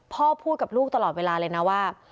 พูดกับลูกตลอดเวลาเลยนะว่า